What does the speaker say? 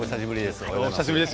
お久しぶりです。